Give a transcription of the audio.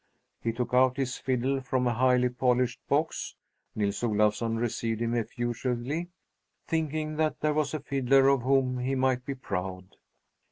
He took out his fiddle from a highly polished box. Nils Olafsson received him effusively, thinking that here was a fiddler of whom he might be proud.